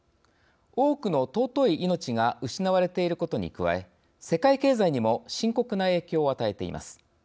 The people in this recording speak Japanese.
多くの尊い命が失われていることに加え世界経済にも深刻な影響を与えています。